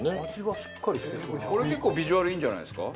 これ結構ビジュアルいいんじゃないですか？